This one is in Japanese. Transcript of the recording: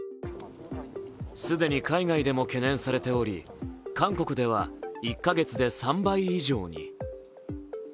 既に海外でも懸念されており韓国では１か月で３倍以上に。